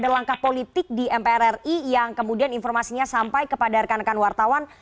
langkah politik di mprri yang kemudian informasinya sampai kepada rekan rekan wartawan